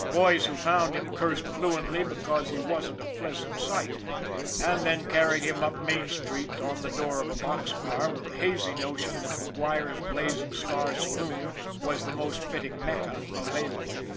The boys who found him cursed fluently because he wasn't a pleasant sight, and then carried him up Main Street on the door of a box car with the hazy notion that MacGuire's Blazing Star Saloon was the most fitting Mecca available.